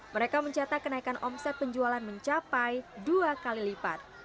mereka mencatat kenaikan omset penjualan mencapai dua kali lipat